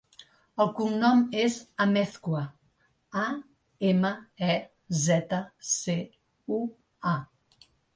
El cognom és Amezcua: a, ema, e, zeta, ce, u, a.